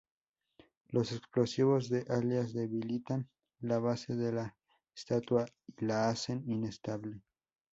Los explosivos de Alias debilitan la base de la estatua y la hacen inestable.